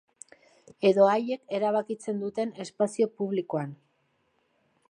Edo haiek erabakitzen duten espazio publikoan.